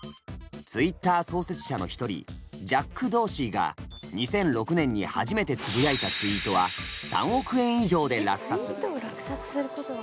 Ｔｗｉｔｔｅｒ創設者の一人ジャック・ドーシーが２００６年に初めてつぶやいたツイートは３億円以上で落札。